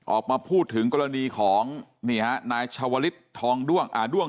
ออกมาพูดถึงกรณีของนายชาวฤทธองด้วง